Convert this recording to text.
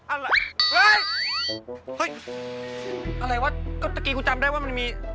อะไรวะเดี๋ยวก่อนตกี๋กูจำได้ว่ามันมี